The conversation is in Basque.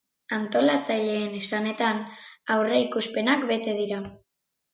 Antolatzaileen esanetan, aurreikuspenak bete dira.